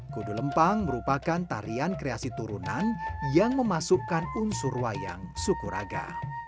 kudu lempang merupakan tarian kreasi turunan yang memasukkan unsur wayang sukuraga